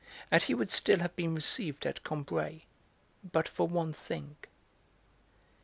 And he would still have been received at Combray but for one thing.